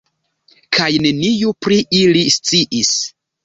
Kaj neniu pri ili sciis.